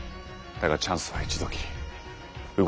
だがチャンスは一度きり。